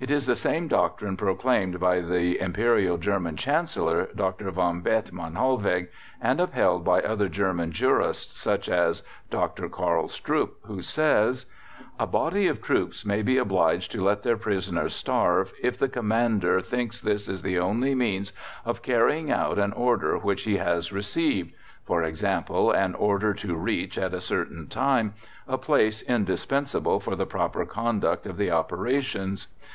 It is the same doctrine proclaimed by the Imperial German Chancellor, Dr. von Bethmann Hollweg, and upheld by other German jurists such as Dr. Karl Strupp, who says: "A body of troops may be obliged to let their prisoners starve, if the commander thinks this is the only means of carrying out an order which he has received, for example, an order to reach, at a certain time, a place indispensable for the proper conduct of the operations.